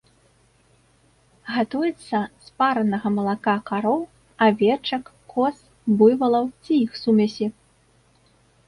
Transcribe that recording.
Гатуецца з паранага малака кароў, авечак, коз, буйвалаў ці іх сумесі.